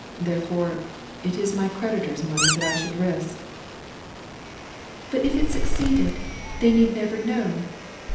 Therefore, it is my creditors' money that I should risk." "But if it succeeded, they need never know.